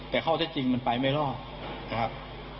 แต่ข้อเท็จจริงมันไปไม่รอดนะครับ